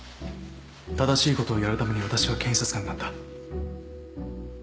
正しいことをやるために私は検察官になった。